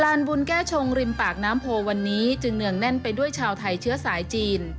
บุญแก้ชงริมปากน้ำโพวันนี้จึงเนืองแน่นไปด้วยชาวไทยเชื้อสายจีน